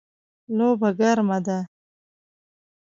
لوبه ګرمه ده